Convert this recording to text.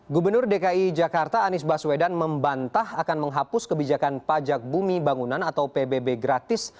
gubernur dki jakarta anies baswedan membantah akan menghapus kebijakan pajak bumi bangunan atau pbb gratis